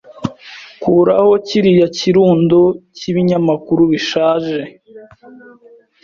Kuraho kiriya kirundo cyibinyamakuru bishaje.